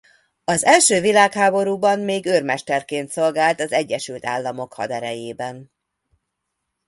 Az első világháborúban még őrmesterként szolgált az Egyesült Államok haderejében.